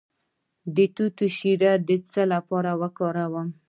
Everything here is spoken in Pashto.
د توت شیره د څه لپاره وکاروم؟